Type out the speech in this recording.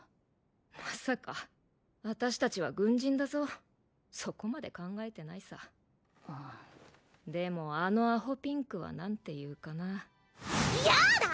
まさか私達は軍人だぞそこまで考えてないさでもあのアホピンクは何て言うかなやだ！